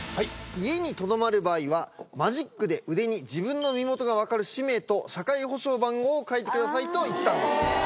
家にとどまる場合はマジックで腕に自分の身元が分かる氏名と社会保障番号を書いてくださいと言ったんです。